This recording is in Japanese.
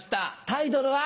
タイトルは？